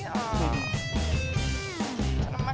makan lagi makan